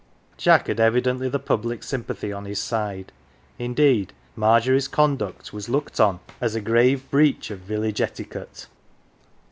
Jack had evidently the public sympathy on his side; indeed, Margery^ conduct was looked on as a grave breach of village etiquette.